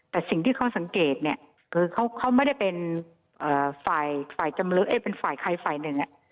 แต่สิ่งที่เขาสังเกตเนี่ยคือเขาไม่ได้เป็นฝ่ายใครฝ่ายหนึ่ง